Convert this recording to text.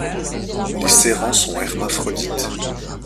Les serrans sont hermaphrodites.